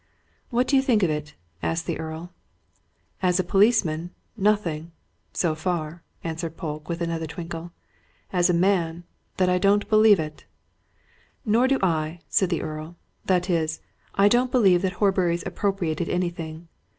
"What do you think of it?" asked the Earl. "As a policeman, nothing so far," answered Polke, with another twinkle. "As a man, that I don't believe it!" "Nor do I!" said the Earl. "That is, I don't believe that Horbury's appropriated anything.